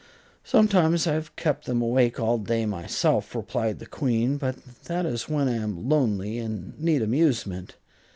"Sometimes I have kept them awake all day myself," replied the Queen; "but that is when I am lonely and need amusement.